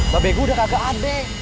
babek gue udah kagak ada